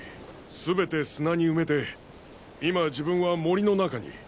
全て砂に埋めて今自分は森の中に。